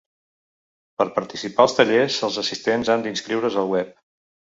Per participar als tallers, els assistents han d’inscriure’s al web.